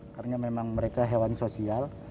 karena memang mereka hewan sosial